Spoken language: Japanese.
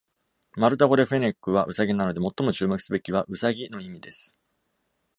マルタ語で「フェネック」はウサギなので、最も注目すべきは「ウサギ」の意味です。